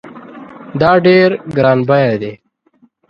دا ډېر ګران بیه دی